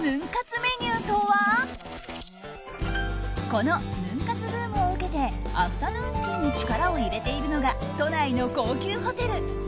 このヌン活ブームを受けてアフタヌーンティーに力を入れているのが都内の高級ホテル。